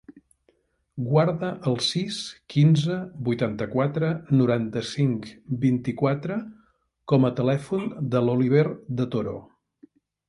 Guarda el sis, quinze, vuitanta-quatre, noranta-cinc, vint-i-quatre com a telèfon de l'Oliver De Toro.